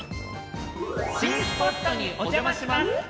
「新スポットにおじゃまします！